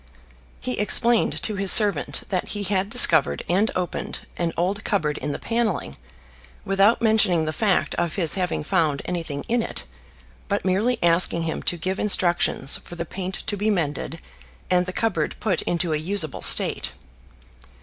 He explained to his servant that he had discovered and opened an old cupboard in the panelling, without mentioning the fact of his having found anything in it, but merely asking him to give instructions for the paint to be mended and the cupboard put into a usable state.